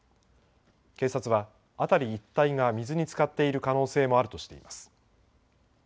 警察は、辺り一帯が水につかっている可能性もあるとしています。